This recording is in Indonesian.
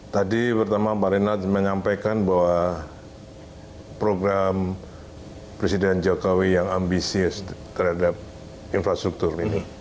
tadi pertama pak renat menyampaikan bahwa program presiden jokowi yang ambisius terhadap infrastruktur ini